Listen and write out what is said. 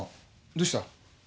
どうした？